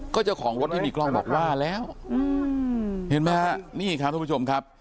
ก็เจ้าของรถที่มีกล้องบอกว่าแล้วเห็นไหมทุกส่วนผู้ชมครับ